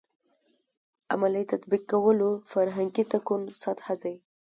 عملي تطبیقولو فرهنګي تکون سطح دی.